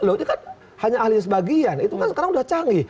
loh ini kan hanya ahli sebagian itu kan sekarang udah canggih